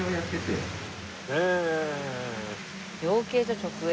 養鶏場直営。